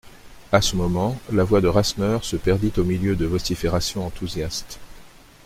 A ce moment, la voix de Rasseneur se perdit au milieu de vociférations enthousiastes.